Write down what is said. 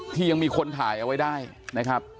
ที่ยังมีคนถ่ายเอาไว้ได้นะครับ